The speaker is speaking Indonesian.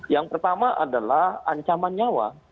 yang pertama adalah ancaman nyawa